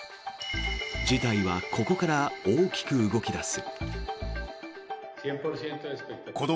事態はここから大きく動き出す。